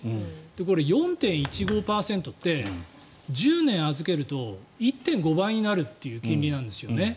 これ、４．１５％って１０年預けると１．５倍になるという金利なんですよね。